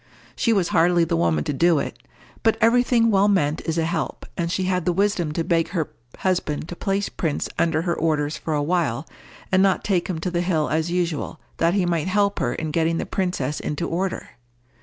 She was hardly the woman to do it, but every thing well meant is a help, and she had the wisdom to beg her husband to place Prince under her orders for a while, and not take him to the hill as usual, that he might help her in getting the princess into order.